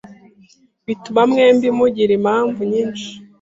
bituma mwembi mugira impamvu nyinshi